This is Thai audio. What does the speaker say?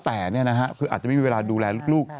แต่นี่นะฮะคืออาจจะไม่มีเวลาดูแลลูก